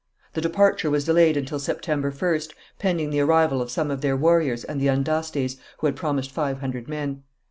The departure was delayed until September 1st, pending the arrival of some of their warriors and the Andastes, who had promised five hundred men.